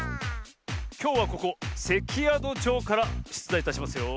きょうはここせきやどじょうからしゅつだいいたしますよ。